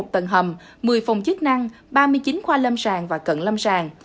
tầng hầm một mươi phòng chức năng ba mươi chín khoa lâm sàng và cận lâm sàng